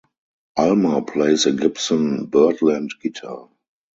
Ulmer plays a Gibson Byrdland guitar.